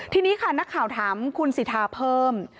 ทีนี้ค่ะนักข่าวถามคุณสิทธาเพิ่ม